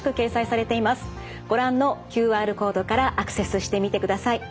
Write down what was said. ご覧のＱＲコードからアクセスしてみてください。